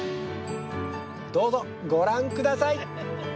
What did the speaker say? どうぞご覧下さい。